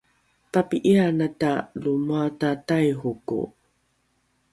papi’ianata lo moata taihoko?